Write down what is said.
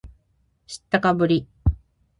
知ったかぶり